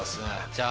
じゃあ。